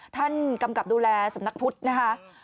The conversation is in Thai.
กำกับดูแลสำนักพุทธนะคะ